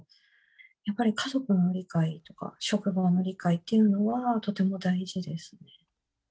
やっぱり家族の理解とか、職場の理解っていうのは、とても大事ですね。